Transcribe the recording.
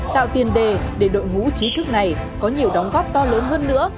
tạo tiền đề để đội ngũ trí thức này có nhiều đóng góp to lớn hơn nữa